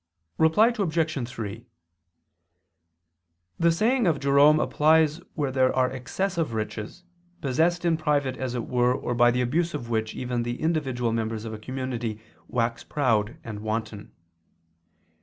Reply Obj. 3: The saying of Jerome applies where there are excessive riches, possessed in private as it were, or by the abuse of which even the individual members of a community wax proud and wanton.